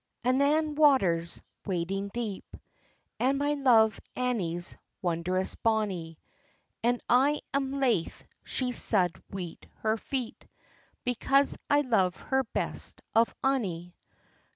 "ANNAN water's wading deep, And my love Annie's wondrous bonny; And I am laith she suld weet her feet, Because I love her best of ony.